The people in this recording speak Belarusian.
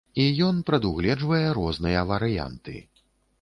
І ён прадугледжвае розныя варыянты.